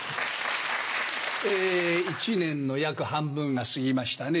え１年の約半分が過ぎましたね。